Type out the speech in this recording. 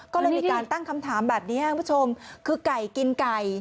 ก็เลยมีการตั้งคำถามแบบนี้คุณผู้ชมคือไก่กินไก่